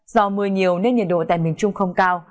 do mưa nhiều nên nhiệt độ tại miền trung không cao